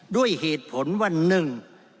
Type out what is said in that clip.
ด้วยเหตุผลวันหนึ่ง